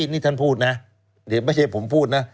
นี่ท่านพูดนะเดี๋ยวไม่ใช่ผมพูดนะ